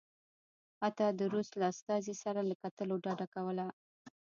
حتی د روس له استازي سره له کتلو ډډه کوله.